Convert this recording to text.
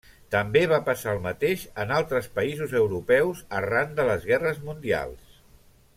També va passar el mateix en altres països europeus arran de les guerres mundials.